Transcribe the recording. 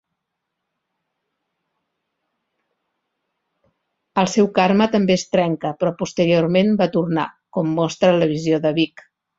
El seu karma també es trenca, però posteriorment va tornar, com mostra la visió de Big.